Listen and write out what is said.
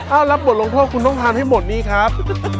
เอารับบทลงโทษคุณต้องทานให้หมดนี่ครับ